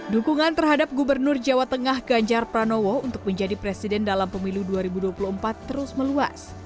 dukungan terhadap gubernur jawa tengah ganjar pranowo untuk menjadi presiden dalam pemilu dua ribu dua puluh empat terus meluas